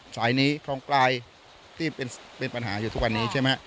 สายนี้คลองปลายที่เป็นปัญหาอยู่ทุกวันนี้ใช่ไหม